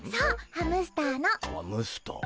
ハムスター？